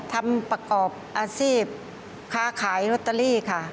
ทำประกอบอาซีบค้าขายโรตเตอรี่ค่ะ